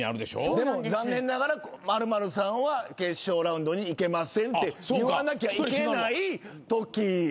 でも残念ながら○○さんは決勝ラウンドに行けませんって言わなきゃいけないとき。